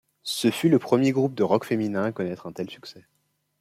Ce fut le premier groupe de rock féminin à connaître un tel succès.